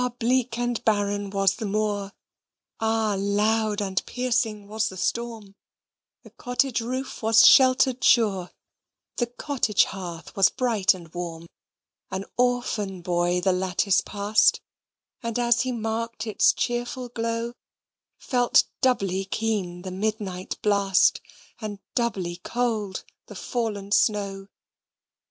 bleak and barren was the moor, Ah! loud and piercing was the storm, The cottage roof was shelter'd sure, The cottage hearth was bright and warm An orphan boy the lattice pass'd, And, as he mark'd its cheerful glow, Felt doubly keen the midnight blast, And doubly cold the fallen snow.